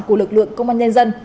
của lực lượng công an nhân dân